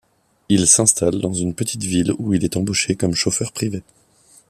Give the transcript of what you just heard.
Il s'installe dans une petite ville où il est embauché comme chauffeur privé.